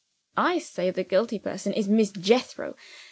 I say the guilty person is Miss Jethro.